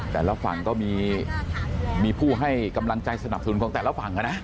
แต่ละฝั่งก็มีผู้ให้กำลังใจสนับสนุนของแต่ละฝั่งนะ